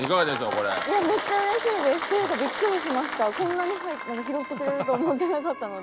こんなに拾ってくれると思ってなかったので。